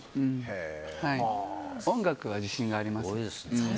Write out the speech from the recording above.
はい、音楽は自信があります。